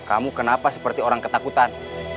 kamu kenapa seperti orang ketakutan